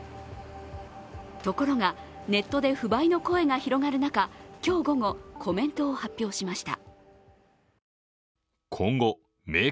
ところが、ネットで不買の声が広がる中今日午後、コメントを発表しました。